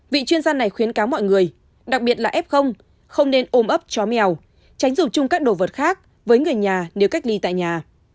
vị chuyên gia này khuyến cáo mọi người đặc biệt là f không nên ôm ấp chó mèo tránh dùng chung các đồ vật khác với người nhà nếu cách ly tại nhà